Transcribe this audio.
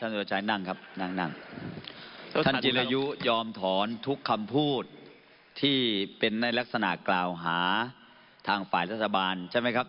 ท่านจิริยุยอมถอนทุกคำพูดที่เป็นลักษณะกล่าวหาทางฝ่ายรัฐบาลใช่มั้ยครับ